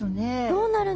どうなる？